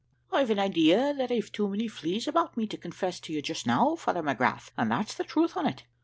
"`I've an idea that I've too many fleas about me to confess to you just now, Father McGrath, and that's the truth on it.